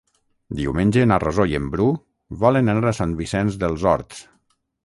Diumenge na Rosó i en Bru volen anar a Sant Vicenç dels Horts.